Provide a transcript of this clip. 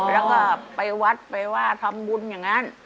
แล้วก็ไปวัดไปว่าทำบุญอย่างนั้น